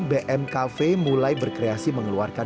bm cafe mulai berkreasi mengelola mie instan